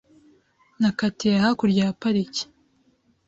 Nakatiye hakurya ya parike .